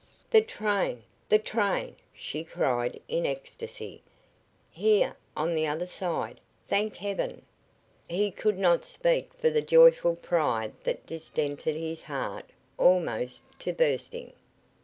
"The train! the train!" she cried, in ecstacy. "Here, on the other side. Thank heaven!" He could not speak for the joyful pride that distended his heart almost to bursting.